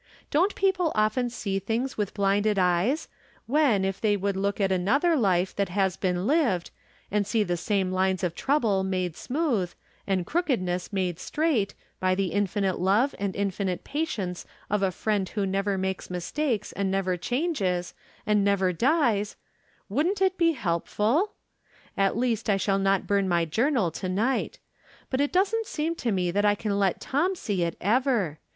Don't people often see things with blinded eyes, when, if they would look at another life that has been lived, and see the same lines of trouble made smooth, and' crookedness made straight, by the infinite love and the infinite patience of a Friend who never makes mistakes, and never changes, and never dies, wouldn't it be helpful ? At least I shall not burn my Journal to night. But it doesn't seem to me that I can let Tom see it, ever.